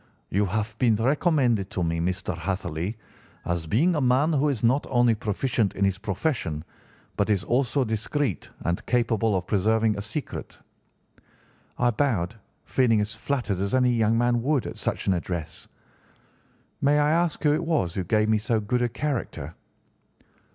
'You have been recommended to me, Mr. Hatherley, as being a man who is not only proficient in his profession but is also discreet and capable of preserving a secret.' "I bowed, feeling as flattered as any young man would at such an address. 'May I ask who it was who gave me so good a character?